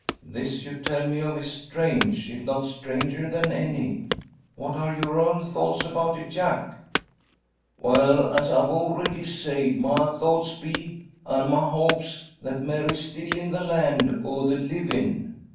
This you tell me of is strange if not stranger than any! What are your own thoughts about it, Jack?" "Well, as I've already sayed, my thoughts be, an' my hopes, that Mary's still in the land o' the livin'."